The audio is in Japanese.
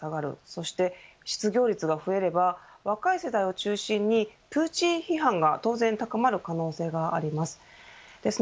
そして失業率が増えれば若い世代を中心にプーチン批判が当然高まる可能性があります。